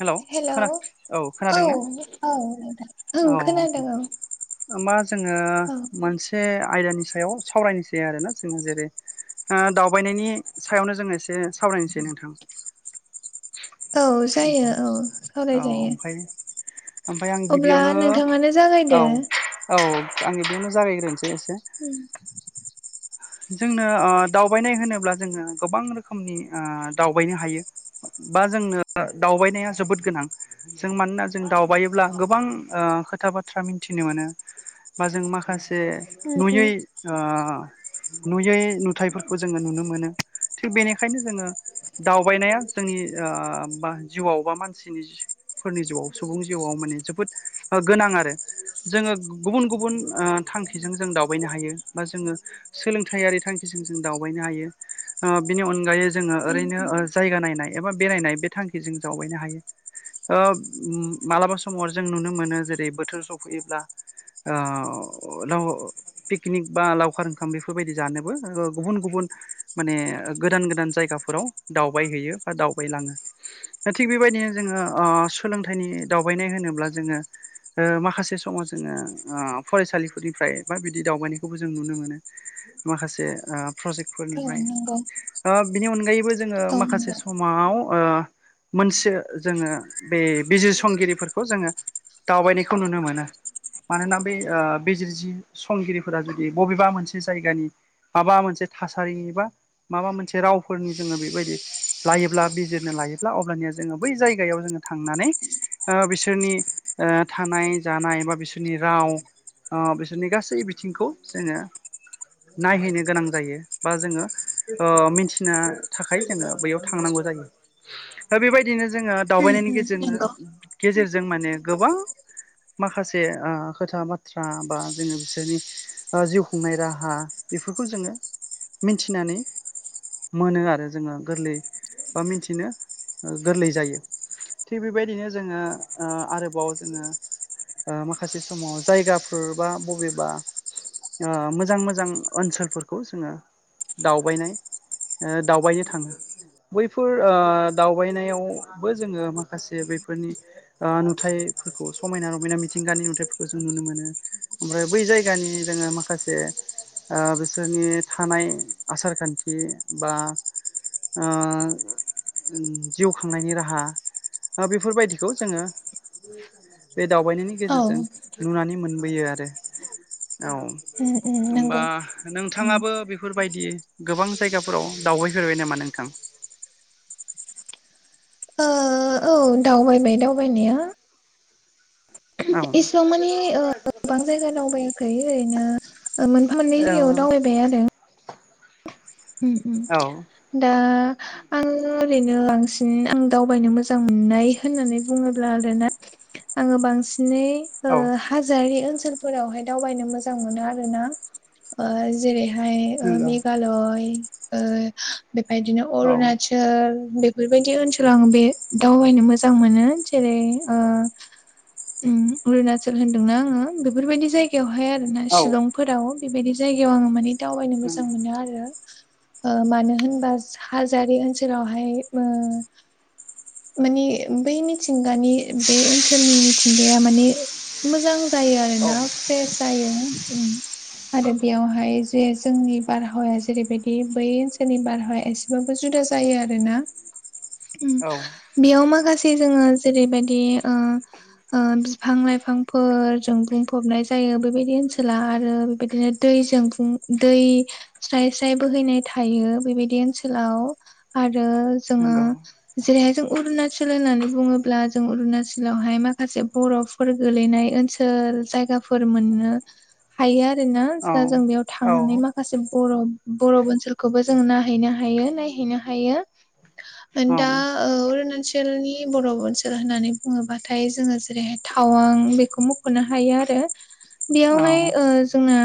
Hello hello औ खोना खोनादों औ ना नोंथां ओं औ खोनादों औ होनबा जोङो औ मोनसे मोनसे आयदानि सायाव सावरायनोसै आरोना जोंहा जेरै दावबायनायनि सायावनो जोङो एसे सावरायनोसै नोंथां औ जायो औ औ सावरायजायो ओमफ्राय ओमफ्राय आं गिबि अब्ला बेयावनो नोंथाङानो औ जागायदो औ आङो बेयावनो जागायग्रोनोसै एसे [inaudible] जोंनो दावबायनाय होनोब्ला जोङो गोबां रोखोमनि दावबायनो हायो बा जोंनो दावबायनाया जोबोद गोनां जों मानोना जों दावबायोब्ला गोबां खोथा बाथ्रा मिथिनो मोनो बा जों माखासे उम नुयै नुयै नुथायफोरखौ जोङो नुनो मोनो थिग बेनिखायनो जोङो दावबायनाया जोंनि ओ बा जिउआव बा मानसिनि जिउआव फोरनि जिउआव सुबुंनि जिउआव माने जोबोद गोनां आरो जोङो गुबुन गुबुन थांखिजों जों दावबायनो हायो बा जोङो सोलोंथाइयारि थांखिजों जों दावबायनो हायो ओ बिनि अनगायै जोङो ओरैनो ओ जायगा नायनाय एबा बेरायनाय बे थांखिजों जावबायनो हायो ओ ओम मालाबा समाव जों नुनो मोनो जेरै बोथोर सफैयोब्ला ओ लाव पिकनिक बा लावखार ओंख खाम बेफोरबायदि जानोबो गुबुन गुबुन माने गोदान गोदान जायगाफोराव दावबायहैयो बा दावबायलाङो थिग बेबायदिनो जोङो ओ सोलोंथाइनि दावबायनाय होनोब्ला जोङो ओ माखासे समाव जोङो फरायसालिफोरनिफ्राय बा बिदि दावबायनायखौबो जों नुनो मोनो माखासे ओ औ प्रजेक्टफोरनिफ्राय नंगौ ओ बिनि अनगायैबो जोङो औ माखासे नंगौ सम आव ओ मोनसे जोङो बे बिजिर संगिरिफोरखौ जोङो दावबायनायखौ नुनो मोनो मानोना बे बिजिर जि संगिरिफोरा जुदि बबेबा मोनसे से जायगानि माबा मोनसे थासारिनि बा माबा मोनसे रावफोरनि जोङो बेबायदि लायोब्ला बिजिरनो लायोब्ला अब्लानिया जोङो बै जायगायाव जोङो थांनानै ओ बिसोरनि ओ थानाय जानाय बा बिसोरनि राव ओ बिसोरनि गासै बिथिंखौ जोङो नायहैनो गोनां जायो बा जोङो ओ मिथिनो थाखाय जोङो बैयाव थांनांगौ जायो ओ बेबायदि नो जोङो उम दावबायनायनि उम गेजेंनो नंगौ गेजेरजों माने गोबां माखासे ओ खोथा बाथ्रा बा जोङो बिसोरनि ओ जिउ खुंनाय राहा बेफोरखौ जोङो मिथिनानै मोनो आरो जोङो गोरलै बा मिथिनो ओ गोरलै जायो थिग बेबायदिनो जोङो ओ आरोबाव जोङो ओ माखासे समाव जायगाफोर बा बबेबा ओ मोजां मोजां ओनसोलफोरखौ जोङो दावबायनाय ओ दावबायनो थाङो बैफोर ओ दावबायनायाव बो जोङो माखासे बैफोरनि ओ नुथाइफोरखौ समायना रमायना मिथिंगानि नुथाइफोरखौ जों नुनो मोनो ओमफ्राय बै जायगानि जोङो मा खासे बिसोरनि थानाय आसार खान्थि बा ओ जिउ खांनायनि राहा बेफोरबायदिखौ जोङो बे दावबायनायनि औ गेजेरजों नुनानै मोनबोयो आरो औ उम उम होमबा नंगौ उम नोंथाङाबो बेफोरबायदि गोबां जायगाफोराव दावबायफेरबाय नामा नोंथां? ओ औ दावबायबाय दावबायनाया एसेबां मानि गोबां जायगा दावबायाखै ओरैनो मोनफा मोननै औ जायगायाव दावबाय बे जादों उ उ औ दा आङो ओरैनो बांसिन आं दावबायनो मोजां मोननाय होननानै बुङोब्ला आरोनो आङो बांसिनै ओ औ हाजारि ओनसोलफोरावहाय दावबायनो मोजां मोनो आरो ना ओ जेरै हाय नंगौ मेघालय ओ बेफदिनो औ अरुणाचल बेफोरबायदि ओनसोलाव आं बे दावबायनो मोजां मोनो जेरै ओ उम अरुणाचल होन्दोंना आङो बेफोरबायदि जायगायावहाय आर ना औ शिलंफोराव बेबायदि जायगायाव आङो माने दावबायनो मोजां नंगौ मोनो आरो मानो होनबा हाजारि ओनसोलावहाय ओ मानि बै मिथिंगानि बे ओनसोलनि मिथिंगाया मानि मोजां जायो आरोना फ्रेश जायो उम आरो बेयावहाय जे जोंनि बारहावाया जेरैबायदि बे बै ओनसोलनि बारहावाया एसेबाबो जुदा जायो आरोना उम औ बेयाव माखासे जोङो जेरैबायदि बिफां लाइफांफोरजों बुंफबनाय जायो बेबायदि ओनसोला आरो बेबायदिनो दैजों बुं दै स्राय फिथाइ बोहैनाय थायो बेबायदि ओनसोलाव आरो जोङो। नंगौ जेरैहाय जों अरुणाचल होननानै बुङोब्ला जों अरुणाचलावहाय माखासे बरफ फोर गोलैनाय ओनसोल जायगाफोर मोननो हायो आरोना औ दा जों बेयाव औ थांनानै माखासे बरफ बरफ ओनसोलखौबो जों नायहैनो हायो नायहैनो हायो औ दा। अरुणाचलनि बर' ओनसोल होननानै बुङोब्लाथाय जोङो जेरैहाय थावां बेखौ मुं खनो हायो आरो। औ बेयावहाय जोंना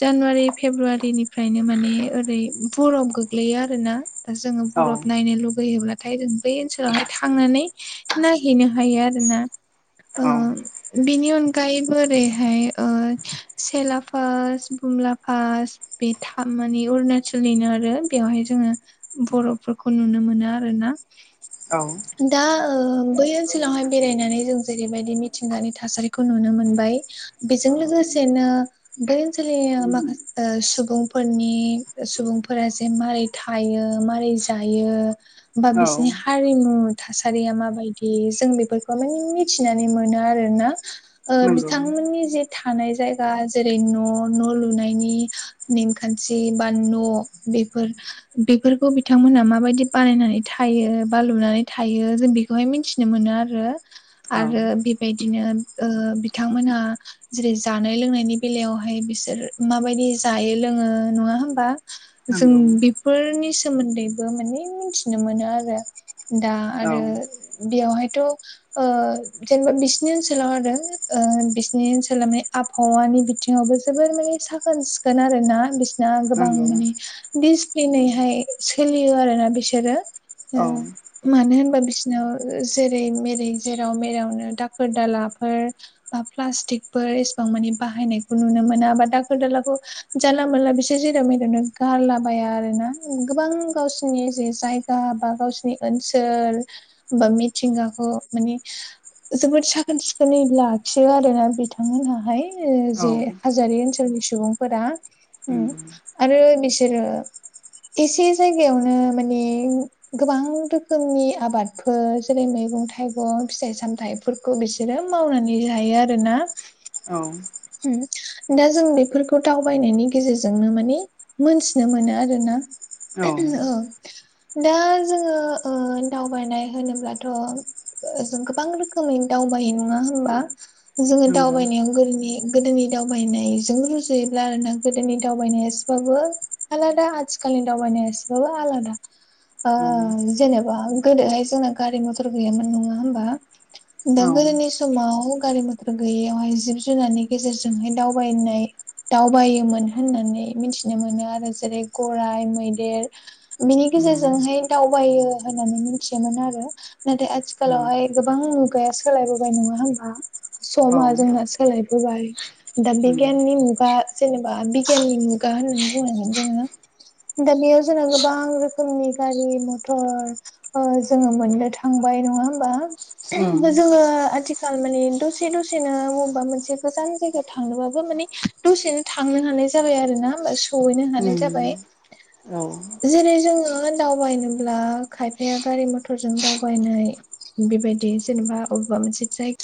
जानुवारि फेब्रुवारि उन्दैनिफ्रायनो माने ओरै बरफ गोग्लैयो आरोना दा जोङो औ बरफ नायनो लुगैयोब्ला नाथाय जों बै ओनसोलावहाय थांनानै नायहैनो हायो आरोना। औ बिनि अनगायै बोरैहाय सेला फास बुमला फास बे था माने अरुणाचलनिनो आरो बेवहाय जोङो बर'फोरखौ नुनो मोनो आरो ना। दा बै ओनसोलावहाय बेरायनानै जों जेरैबायदि मिथिंगानि थासारिखौ नुनो मोनबाय। बेजों लोगोसेनो बै ओनसोलनि माखासे सुबुंफोरनि सुबुंफोरा जे मारै थायो मारै जायो बा औ बिसिनि हारिमु थासारिया माबायदि जों बेफोरखौ माने मिथिनानै मोनो आरोना। नंगौ बिथांमोननि जे थानाय जायगा जेरै न' न' लुनायनि नेमखान्थि बा न' बेफोर बेफोरखौ बिथांमोना माबायदि बानायनानै थायो बा लुनानै थायो जों बे बेखौहाय मिथिनो मोनो आरो औ आरो बेबायदिनो बिथांमोनहा जेरै जानाय लोंनायनि बेलायावहाय बिसोर माबायदि जायो लोङो नङा होमबा जों नंगौ बे फोरनि सोमोन्दैबो माने मिथिनो मोनो आरो दा औ आरो बेयावहायथ' ओ जेनेबा बिसिनि ओनसोलाव आरो बिसिनि ओनसोलाव माने आबहावानि बिथिं सिावबो जोबोर माने साखोन सिखोन आरो ना बिसना गोबां नंगौ माने दिजप्लिनैहाय सोलियो आरो ना बिसोरो औ मानो होनबा बिसोरनाव जेरै मेरै जेराव मेरावनो दाखोर दालाफोर बा प्लास्टिकफोर एसेबां मानि बाहायनायखौ नुनो मोना दा गोदलाखौ। जानला मोनला बिसोर जेराव मेरामनो गारलाबाया आर ना गोबां गावसोरनि जे जायगा बा गावसिनि ओनसोल बा मिथिंगाखौ माने जोबोद साखोन सिखोनै लाखियो आरोना बिथांमोनहाय। जे हाजारि ओनसोलनि सुबुंफोरा नंगौ आरो बिसोरो एसे जायगायावनो माने गोबां रोखोमनि आबादफोर जेरै मैगं थाइगं फिथाइ सामथाइ खौ बिसोरो मावनानै जायो आरोना। औ। दा जों बेफोर दाव बायनायनि गेजेरजोंनो माने मोनथिनो मोनो आरो ना। औ। दा जोङो दावबायनाय होनोब्लाथ' जों गोबां रोखोम खोमै दावबायो नङा होमबा? जोङो नंगौ दावबायनायाव गोरनि गोदोनि दावबायनायजों जायोब्ला आरोना गोदोनि दावबायनाया एसेबाबो आलादा आथिखालनि दावबायनाया एसेबाबो आलादा [inaudible] जेनेबा गोदोहाय जोंना गारि मथर गैयामोन नङा होमबा दा उम औ गोदोनि समाव गारि मथर गैयियावहाय जिब जुनारनि गेजेरजोंहाय दावबायनाय दावबायोमोन होननानै मिथिनो मोनो आरो जेरै गराइ मैदेर बिनि गेजेरजोंहाय दावबायो होननानै मिथियोमोन आरो नाथाय आथिखालावहाय गोबां मुगाया सोलायबोबाय नङा होमबा औ समा जोंना सोलायबोबाय दा नंगौ औ नंगौ औ बिगियाननि मु मुगा जेनोबा बिगियाननि मुगा होननानै बुंनांगोन जोङो दा बेयाव जोंना गोबां रोखोमनि गारि मथर ओ जोङो मोननो थांबाय नङा होमबा जोङो ओह आथिखाल आथिखाल माने दसे दसेनो मबेबा मोनसे गोजान जायगायाव थांनोबाबो माने दसेनो थांनो हानाय जाबाय आरो ना होमबा स सौयैनो हानाय जाबाय जेरै जोङो दावबायनोब्ला खायफाया गारि मथरजों दावबायनाय बेबायदि जेनोबा बबेबा मोनसे जाय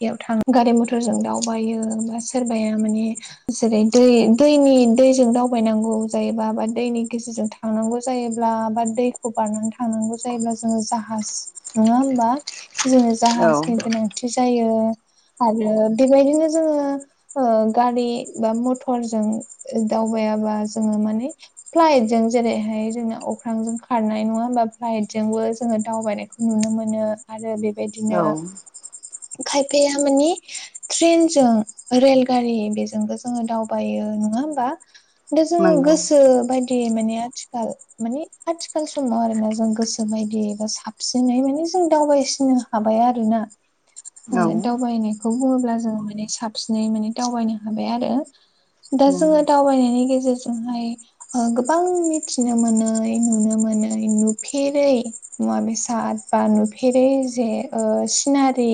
जायगायाव थां गारि मथरजों दावबायो बा सोरबाया माने जेरै दै दैनि दैजों दावबायनांगौ जायोबा बा दैनि गेजेरजों थां थांनांगौ जायोब्ला बा दैखौ बारनानै थांनांगौ जायोब्ला जोङो जाहाज नङा होमबा जोङो जाहाजनि गोनांथि जायो आरो बेबायदिनो जोङो ओ गारि बा मथरजों ओ दावबायाबा जोङो माने फ्लाइट जों जेरैहाय जोंना अख्रांजों खारनाय नङा होमबा फ्लाइटजोंबो जोङो दावबायनायखौ नुनो मोनो आरो बेबायदिनो खायफाया मानि ट्रेनजों रेलगारि बेजोंबो जोङो दावबायो नङा होमबा दा जोङो गोसो बादि दि माने आथिखाल माने आथिखाल समाव आरोना जों गोसो बायदि बा साबसिनै माने जों दावबायसिनो हाबाय आरोना ओ दावबायनायखौ बुङोब्ला जों माने साब सिनै माने दावबायनो हाबाय आरो दा जोङो दावबायनायनि गेजेरजोंहाय ओ गोबां मिथिनो ओमोनै नुनो मोनै नुफेरै मुवा बेसाद बा नुफेरै जे ओ सिनारि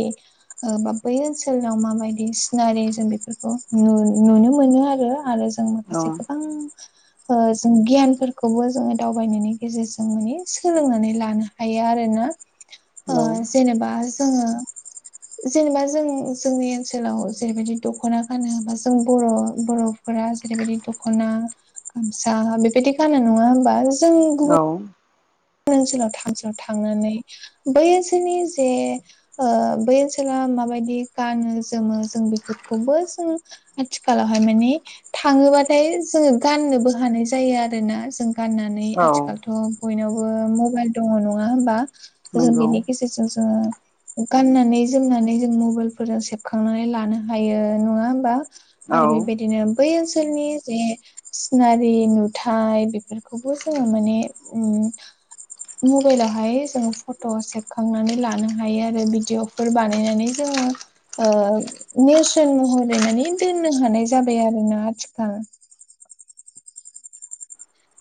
ओ बा बै ओनसोलाव माबायदि सि सिनारि जों बेफोरखौ नुनो मोनो आरो आरो जों माखासे गोबां ओ जों गियानफोरखौबो जोङो दावबायनायनि गेजेरजों माने सोलोंनानै लानो हायो आरो ना [inaudible] ओ जेनोबा जोङो जेनोबा जों जोंनि ओनसोलाव जेरैबायदि दख'ना गानो बा जों बर' बर'फोरा जेरैबायदि दख'ना सा गामसा बेबायदि गानो नङा होमबा जों औ गुबुन ओनसोलाव थामसााव थांनानै बै ओनसोलनि जे ओ‌ बै ओनसोला माबायदि गानो जोमो जों बेफोरखौबो जों आथिखाालहाय माने थाङोबाथाय जोङो गाननोबो हानाय जायो आरोना जों गाननानै गाननानै औ आथिखालथ' बयनावबो मबाइल दङ नङा होमबा जों नंगौ बिनि गेजेरजों जों गाननानै जोमनानै जों मबाइलफोरजों सेबखांनानै लानो हायो नङा होमबा औ आरो बेबायदिनो बै ओनसोलनि जे सिनारि नुथाय बेफोरखौबो जोङो माने उम [inaudible] मबाइलावहाय जोङो फट' सेबखांनानै लानो हायो आरो भिडिअफोर बानायनानै जोङो ओ नेरसोन महरै मानि दोननो हानाय जाबाय आरोना आथिखाल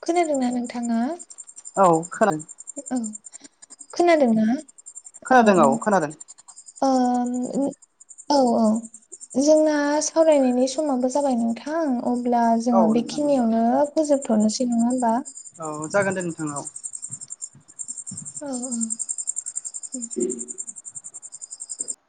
खोनादोंना नोंथांआ औ खोनादों। औ खोनादोंना औ खोनादों औ। खोनादों अ औ औ जोंना सावरायनायनि समाबो जाबाय नोंथां। अब्ला औ जोङो नोंथां होनबा बेखिनियावनो फोजोबथ'नोसै नङा होनबा? औ जागोन दे नोंथांनाव। अ औ।